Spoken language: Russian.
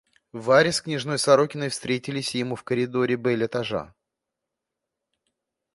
Варя с княжной Сорокиной встретились ему в коридоре бель-этажа.